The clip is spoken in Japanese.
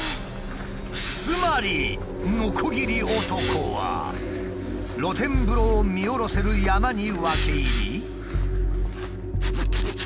つまりノコギリ男は露天風呂を見下ろせる山に分け入り。